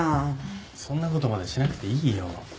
そんなことまでしなくていいよ。